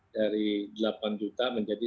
dari delapan juta menjadi